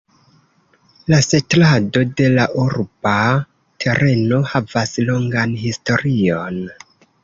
La setlado de la urba tereno havas longan historion.